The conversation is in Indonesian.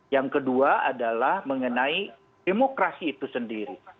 yang kedua adalah mengenai demokrasi itu sendiri